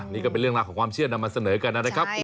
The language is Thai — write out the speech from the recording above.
นี่ก็เป็นเรื่องราวของความเชื่อนำมาเสนอกันนะครับ